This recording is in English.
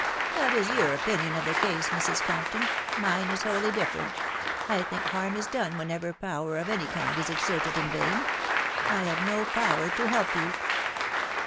" That is your opinion of the case, Mrs. Compton : mine is wholly different. I think harm is done whenever power of any kind is exerted in vain. I have no power to help you.